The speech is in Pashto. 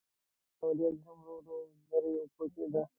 دا وریځ هم ورو ورو لرې وکوچېده.